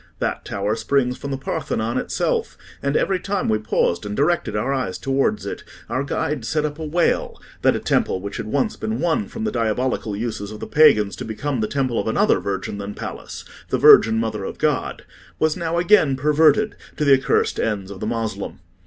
That tower springs from the Parthenon itself; and every time we paused and directed our eyes towards it, our guide set up a wail, that a temple which had once been won from the diabolical uses of the pagans to become the temple of another virgin than Pallas—the Virgin Mother of God—was now again perverted to the accursed ends of the Moslem.